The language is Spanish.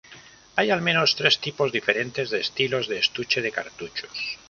Hay al menos tres tipos diferentes de estilos de estuche de cartuchos.